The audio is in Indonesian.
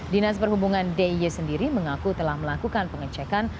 dinas perhubungan diy sendiri mengaku telah melakukan pengecekan